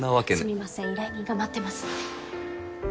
すみません依頼人が待ってますので。